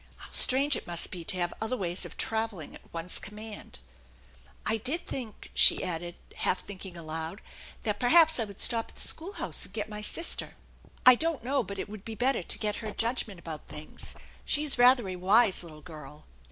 How strange it must be to have other ways of travelling at one's command ! "I did think," she added, half thinking aloud, "that perhaps I would stop at the schoolhouse and get my sister. I don't know but it would be better to get her judgment about things. She is rather a wise little girl."